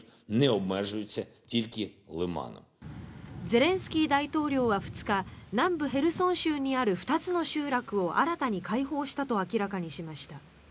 ゼレンスキー大統領は２日南部ヘルソン州にある２つの集落を新たに解放したと明らかにしました。